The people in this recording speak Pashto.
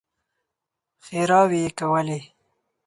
ښېراوې يې کولې.